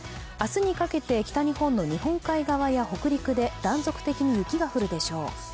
明日にかけて北日本の日本海側や北陸で断続的に雪が降るでしょう。